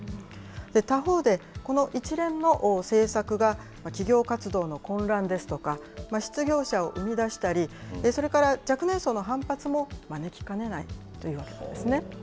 他方で、この一連の政策が、企業活動の混乱ですとか、失業者を生み出したり、それから若年層の反発も招きかねないというわけなんですね。